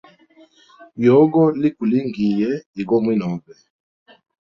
Yogo likulingiye igo mwinobe.